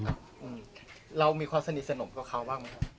เรามีความสนิทสนมกับเขาบ้างไหมครับ